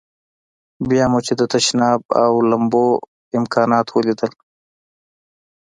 بیا مو چې د تشناب او لمبو امکانات ولیدل.